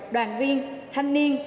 đoàn viên thanh niên